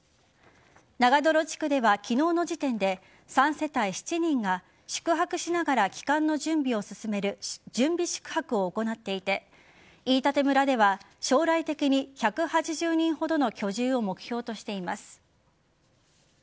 長泥地区では昨日の時点で３世帯７人が宿泊しながら帰還の準備を進める準備宿泊を行っていて飯舘村では将来的に１８０人ほどの居住を目標としています。